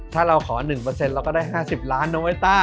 ถ้าเราขอ๑เราก็ได้๕๐ล้านน้องเวต้า